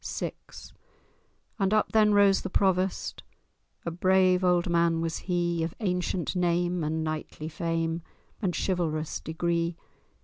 VI And up then rose the Provost— A brave old man was he, Of ancient name, and knightly fame, And chivalrous degree.